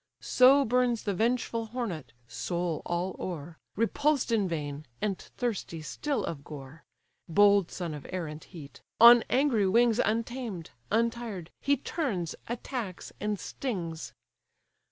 So burns the vengeful hornet (soul all o'er), Repulsed in vain, and thirsty still of gore; (Bold son of air and heat) on angry wings Untamed, untired, he turns, attacks, and stings.